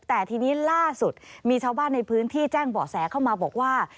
แต่ทีนี้ล่าสุดมีชาวบ้านในพื้นที่แจ้งเบาะแสเข้ามาบอกว่า